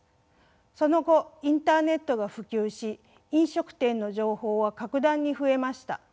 その後インターネットが普及し飲食店の情報は格段に増えました。